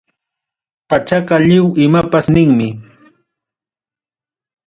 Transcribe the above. Pachaqa lliw imapas ninmi.